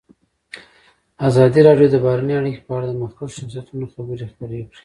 ازادي راډیو د بهرنۍ اړیکې په اړه د مخکښو شخصیتونو خبرې خپرې کړي.